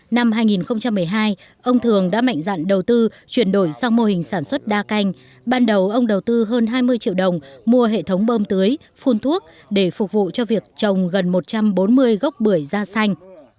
năm hai nghìn một mươi hai ông thường đã mạnh dạn đầu tư chuyển đổi sang mô hình sản xuất đa canh ban đầu ông đầu tư hơn hai mươi triệu đồng mua hệ thống bơm tưới phun thuốc để phục vụ cho việc trồng gần một trăm bốn mươi gốc bưởi da xanh